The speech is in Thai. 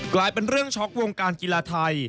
กลายเป็นเรื่องช็อกวงการกีฬาไทย